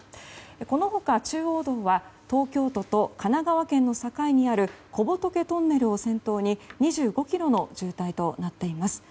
この他、中央道は東京都と神奈川県の境にある小仏トンネルを先頭に２５ｋｍの渋滞となっています。